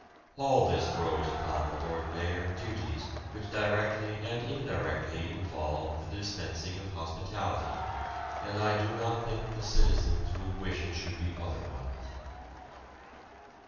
All this throws upon the Lord Mayor duties which directly and indirectly involve the dispensing of hospitality, and I do not think the citizens would wish it should be otherwise.